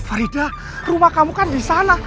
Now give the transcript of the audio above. faridah rumah kamu kan disana